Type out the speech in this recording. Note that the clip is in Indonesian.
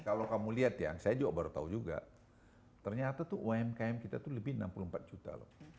kalau kamu lihat ya saya juga baru tahu juga ternyata tuh umkm kita itu lebih enam puluh empat juta loh